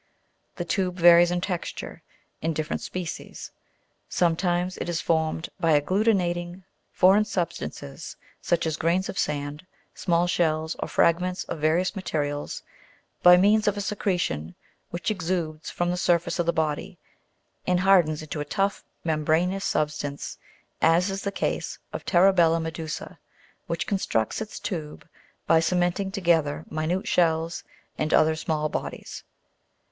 The tube varies in texture, in different species. Sometimes it is formed by agglu tinating foreign substances, such as grains of sand, small shells, or fragments of vari ous materials, by means of a secretion, which exudes from the surface of the body, and hardens into a tough membranous substance, as is the case of Terebetta medusa, which constructs its tube by cementing together minute shells, and other small bodies.